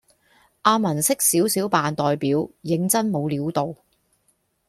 阿文識少少扮代表認真冇料到